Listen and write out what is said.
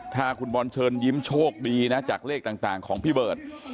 ถ้าคุณบอลเชิญยิ้มโชคดีนะจากเลขต่างของพี่เบิร์ต